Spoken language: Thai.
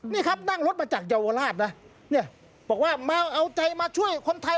นี่ครับนั่งรถมาจากเยาวราชนะเนี่ยบอกว่ามาเอาใจมาช่วยคนไทย